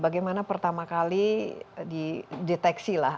bagaimana pertama kali dideteksi lah